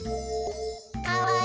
かわいい。